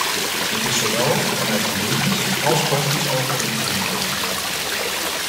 Dit is zowel van uit juridisch als praktisch oogpunt zinvol.